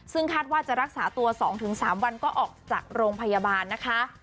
ซึ่งคาดว่าจะรักษาตัว๒๓วันก็ออกจากโรงพยาบาลนะคะ